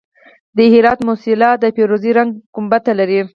د هرات موسیلا د فیروزي رنګ ګنبد لري